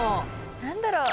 何だろう？